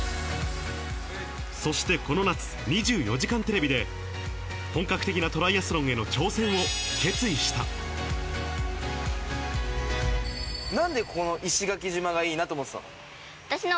そしてこの夏、２４時間テレビで、本格的なトライアスロンへの挑戦なんでこの石垣島が思ってたの？